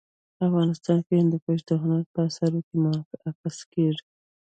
افغانستان کي هندوکش د هنر په اثارو کي منعکس کېږي.